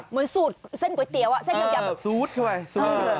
เหมือนสูตรเส้นก๋วยเตี๊ยวสูตรใช่ไหม